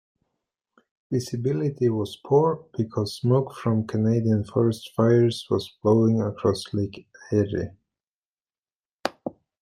Visibility was poor because smoke from Canadian forest fires was blowing across Lake Erie.